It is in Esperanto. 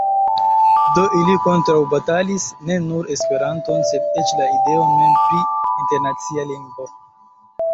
Do, ili kontraŭbatalis ne nur Esperanton, sed eĉ la ideon mem pri internacia lingvo.